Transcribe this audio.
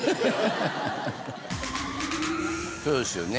そうですよね。